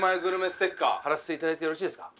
ステッカー貼らせていただいてよろしいですか？